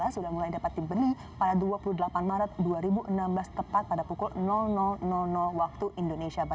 sudah mulai dapat dibeli pada dua puluh delapan maret dua ribu enam belas tepat pada pukul waktu indonesia barat